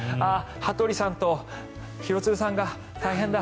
羽鳥さんと廣津留さんが大変だ。